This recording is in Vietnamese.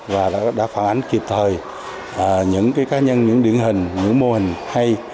và đã phản ánh kịp thời những cá nhân những điển hình những mô hình hay